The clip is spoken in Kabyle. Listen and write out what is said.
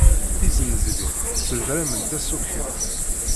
Tizenzlin ssedrament aṣuken.